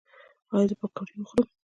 ایا زه پکوړې وخورم؟